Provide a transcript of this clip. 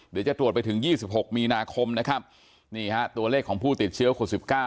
เดี๋ยวจะตรวจไปถึง๒๖มีนาคมนะครับนี่ฮะตัวเลขของผู้ติดเชื้อคน๑๙